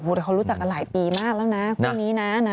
เขารู้จักกันหลายปีมากแล้วนะคู่นี้นะ